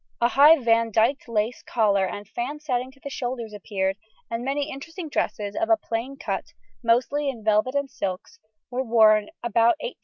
A high Vandyked lace collar and fan setting to the shoulders appeared, and many interesting dresses of a plain cut, mostly in velvet and silks, were worn about 1810 12.